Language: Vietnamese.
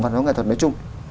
văn hóa nghệ thuật nói chung